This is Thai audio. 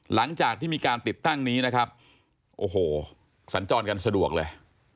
หลังจากที่มีการติดตั้งนี้นะครับโอ้โหสัญจรกันสะดวกเลย